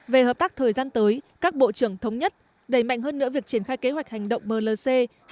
về hợp tác thời gian tới các bộ trưởng thống nhất đẩy mạnh hơn nữa việc triển khai kế hoạch hành động mlc hai nghìn một mươi tám hai nghìn hai mươi hai